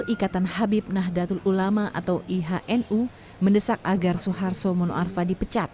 ikatan habib nahdlatul ulama atau ihnu mendesak agar soeharto mono arfa dipecat